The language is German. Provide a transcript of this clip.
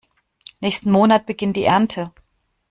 Nächsten Monat beginnt die Ernte.